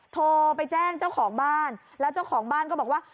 โทรไปแจ้งเจ้าของบ้านแล้วเจ้าของบ้านก็บอกว่า